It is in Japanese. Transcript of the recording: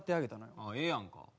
ああええやんか。